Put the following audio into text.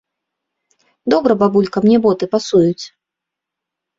Добра, бабулька, мне боты пасуюць?